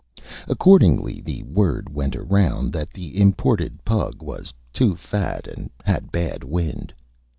Accordingly the Word went around that the imported Pug was too Fat and had bad Wind.